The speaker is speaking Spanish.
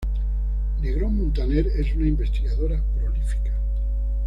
Negrón-Muntaner es una investigadora prolífica.